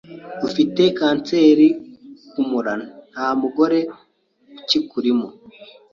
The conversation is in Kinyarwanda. ufite kanseri ku mura nta mugore ukikurimo